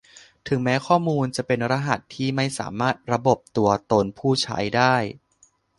ถึงแม้ข้อมูลจะเป็นรหัสที่ไม่สามารถระบบตัวตนผู้ใช้ได้